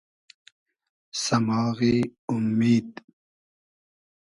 سئماغی اومید